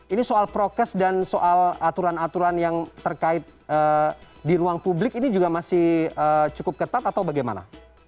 ini soal prokes dan soal aturan aturan yang terkait di ruang publik ini juga masih cukup ketat atau bagaimana